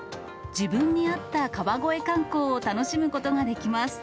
自分に合った川越観光を楽しむことができます。